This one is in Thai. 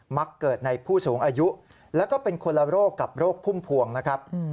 มักเกิดในผู้สูงอายุแล้วก็เป็นคนละโรคกับโรคพุ่มพวงนะครับ